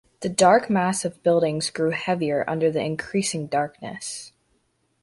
The dark mass of buildings grew heavier under the increasing darkness.